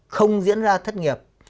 không diễn ra thất nghiệp